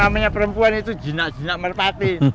namanya perempuan itu jinak jinak merpati